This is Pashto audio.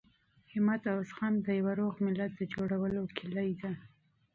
حوصله او زغم د یوه روغ ملت د جوړولو کیلي ده.